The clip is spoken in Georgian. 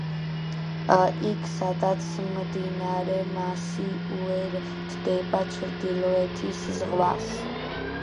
იქ სადაც მდინარე მაასი უერთდება ჩრდილოეთის ზღვას.